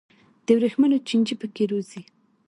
د ورېښمو چینجي پکې روزي.